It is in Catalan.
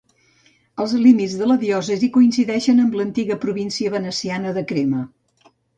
Els límits de la diòcesi coincideixen amb l'antiga província veneciana de Crema.